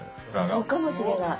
そうかもしれない。